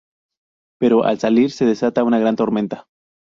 Pero, al salir, se desata una gran tormenta.